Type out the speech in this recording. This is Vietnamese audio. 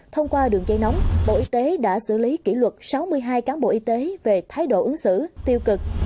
thông qua đường dây nóng bộ y tế đã xử lý kỷ luật sáu mươi hai cán bộ y tế về thái độ ứng xử tiêu cực